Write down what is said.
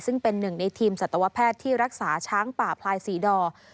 ซึ่งเป็นหนึ่งในทีมสัตวแพทย์ที่รักษาช้างป่าพลายศรีดอร์